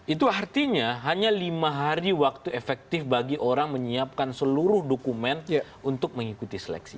itu artinya hanya lima hari waktu efektif bagi orang menyiapkan seluruh dokumen untuk mengikuti seleksi